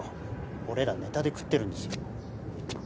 俺らネタで食ってるんですよ。